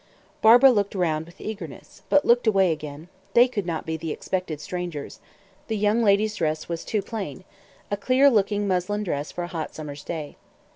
Barbara looked round with eagerness, but looked away again; they could not be the expected strangers, the young lady's dress was too plain a clear looking muslin dress for a hot summer's day.